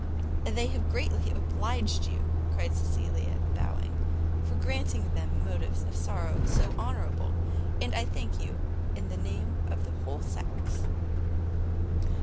"They are greatly obliged to you," cried Cecilia, bowing, "for granting them motives of sorrow so honourable, and I thank you in the name of the whole sex."